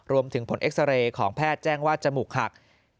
รวมถึงผลเอ็กซาเรย์ของแพทย์แจ้งว่าจมูกหัก